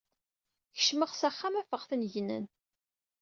Kecmeɣ s axxam, afeɣ-ten gnen.